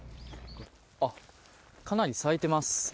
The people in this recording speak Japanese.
かなり咲いてます。